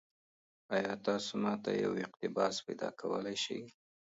ایا تاسو ما ته یو اقتباس پیدا کولی شئ؟